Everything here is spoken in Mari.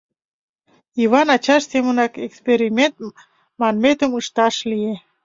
Йыван ачаж семынак эксперимент манметым ышташ лие.